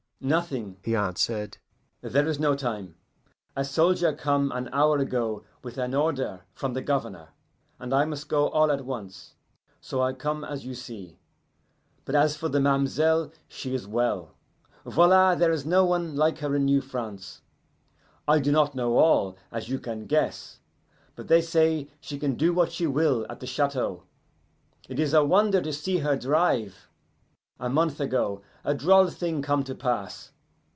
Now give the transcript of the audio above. "Nothing," he answered. "There is no time. A soldier come an hour ago with an order from the Governor, and I must go all at once. So I come as you see. But as for the ma'm'selle, she is well. Voila, there is no one like her in New France. I do not know all, as you can guess, but they say she can do what she will at the Chateau. It is a wonder to see her drive. A month ago, a droll thing come to pass.